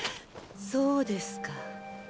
そうですか。